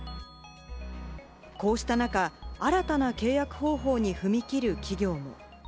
こうした中、新たな契約方法に踏み切る企業も。